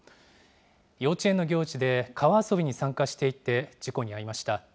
幼稚園の行事で川遊びに参加していて、事故に遭いました。